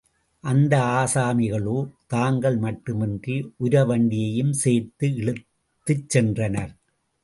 அந்த ஆசாமிகளோ, தாங்கள் மட்டுமின்றி உரவண்டியையும் சேர்த்து இழுத் துச்சென்றனர்.